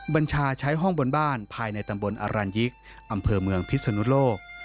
บัญชาใช้ห้องบนบ้านภายในตำบลอรัญยิกอำเภอเมืองพิศนุโลก